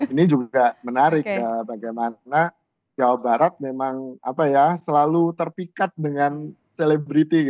ini juga menarik bagaimana jawa barat memang selalu terpikat dengan selebriti